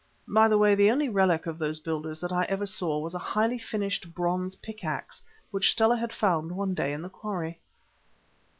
By the way, the only relic of those builders that I ever saw was a highly finished bronze pick axe which Stella had found one day in the quarry.